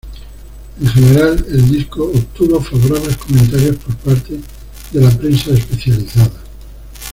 En general el disco obtuvo favorables comentarios por parte de la prensa especializada.